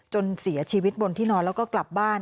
จนเสียชีวิตบนที่นอนแล้วก็กลับบ้าน